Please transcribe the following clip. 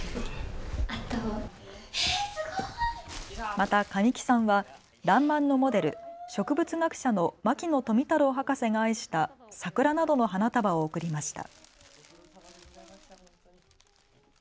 また神木さんはらんまんのモデル、植物学者の牧野富太郎博士が愛した桜などの花束を贈りました。